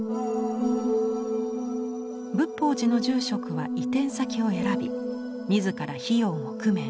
仏法寺の住職は移転先を選び自ら費用も工面。